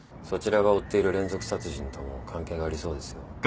そちらが追っている連続殺人とも関係がありそうですよ。